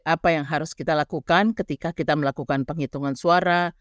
apa yang harus kita lakukan ketika kita melakukan penghitungan suara